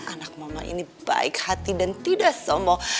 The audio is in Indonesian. anak mama ini baik hati dan tidak sombong